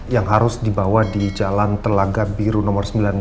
yang harus dibawa di jalan telaga biru nomor sembilan belas